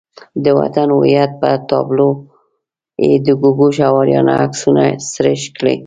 د وطن هویت پر تابلو یې د ګوګوش او آریانا عکسونه سریښ کړي.